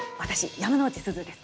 山之内すずです。